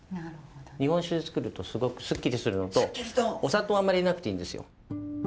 日本酒で作るとすごくすっきりするのとお砂糖をあんまり入れなくていいんですよ。